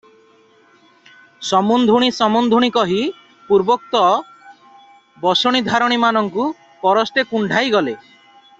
'ସମୁନ୍ଧୁଣୀ ସମୁନ୍ଧୁଣୀ' କହି ପୂର୍ବୋକ୍ତ ବସଣିଧାରିଣୀମାନଙ୍କୁ ପରସ୍ତେ କୁଣ୍ଢାଇଗଲେ ।